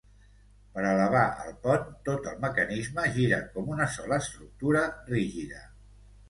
Per elevar el pont, tot el mecanisme gira com una sola estructura rígida.